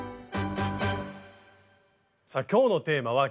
さあ今日のテーマは「金継ぎ」。